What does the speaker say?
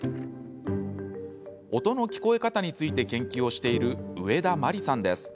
音の聞こえ方について研究をしている上田麻理さんです。